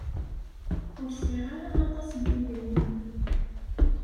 Ur sɛiɣ ara aṭas n yidrimen.